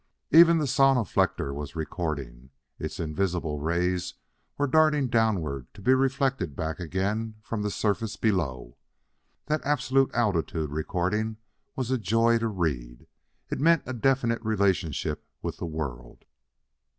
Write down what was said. Even the sonoflector was recording; its invisible rays were darting downward to be reflected back again from the surface below. That absolute altitude recording was a joy to read; it meant a definite relationship with the world.